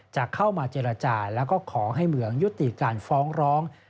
จะเข้ามาเจรจาแล้วก็ขอให้เหมืองยุติการฟ้องร้อง